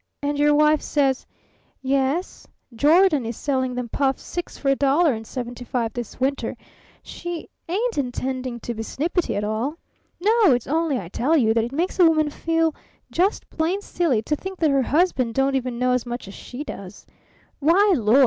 and your wife says: 'Yes Jordan is selling them puffs six for a dollar seventy five this winter,' she ain't intending to be snippety at all. No! It's only, I tell you, that it makes a woman feel just plain silly to think that her husband don't even know as much as she does. Why, Lord!